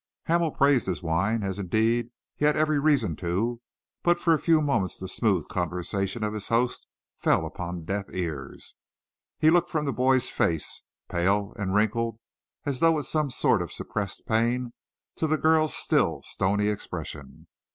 Hamel praised his wine, as indeed he had every reason to, but for a few moments the smooth conversation of his host fell upon deaf ears. He looked from the boy's face, pale and wrinkled as though with some sort of suppressed pain, to the girl's still, stony expression.